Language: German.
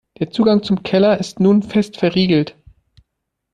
Der Zugang zum Keller ist nun fest verriegelt.